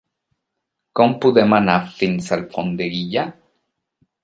Com podem anar fins a Alfondeguilla?